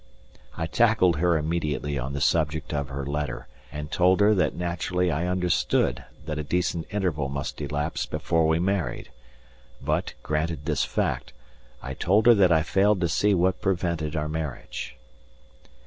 I tackled her immediately on the subject of her letter, and told her that naturally I understood that a decent interval must elapse before we married; but, granted this fact, I told her that I failed to see what prevented our marriage.